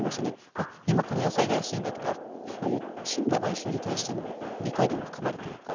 あ今この野菜が安いんだとかそういう森羅万象に対しての理解度も深まるというか。